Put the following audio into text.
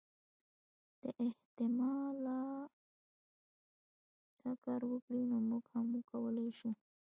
که احتمالا دا کار وکړي نو موږ هم کولای شو.